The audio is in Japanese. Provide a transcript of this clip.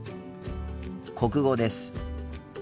国語です。